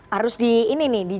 harus di ini nih